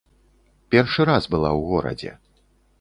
Першы раз была ў горадзе.